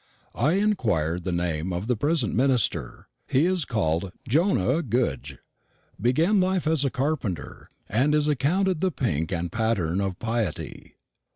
I inquired the name of the present minister. He is called Jonah Goodge, began life as a carpenter, and is accounted the pink and pattern of piety.